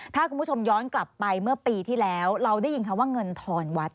ถ้าคุณผู้ชมย้อนกลับไปเมื่อปีที่แล้วเราได้ยินคำว่าเงินทอนวัด